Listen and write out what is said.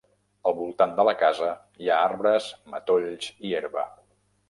Al voltant de la casa hi ha arbres, matolls i herba.